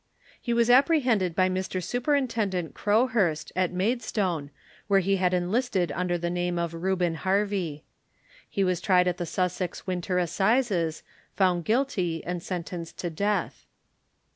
He was apprehended by Mr Superintendent Crowhurst, at Maidstone, where he had enlisted under the name of Reuben Harvey. He was tried at the Sussex Winter Assizes, found guilty, and sentenced to death.